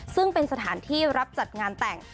ซึ่งเป็นสถานที่รับจัดงานแต่ง